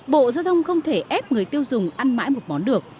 bộ giao thông không thể ép người tiêu dùng ăn mãi một món được